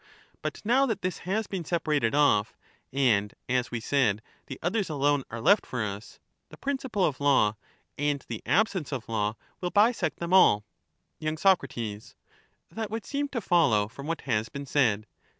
But now that this has been separated off, and, as we said, the others alone are lefl for us, the principle of law and the absence of law will bisect them all. y. Sac. That would seem to follow, from what has been said.